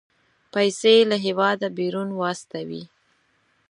پيسې له هېواده بيرون واستوي.